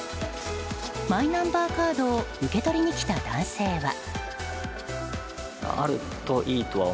マイナンバーカードを受け取りに来た男性は。